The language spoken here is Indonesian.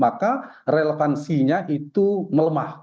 maka relevansinya itu melemah